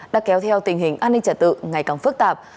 đã kéo theo tình hình an ninh trả tự ngày càng phức tạp